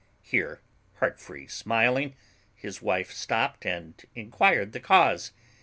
(Here Heartfree smiling, his wife stopped and inquired the cause.